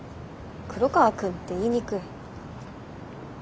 「黒川くん」って言いにくい。